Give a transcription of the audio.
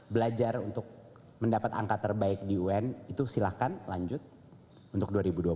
belajar untuk mendapat angka terbaik di un itu silahkan lanjut untuk dua ribu dua puluh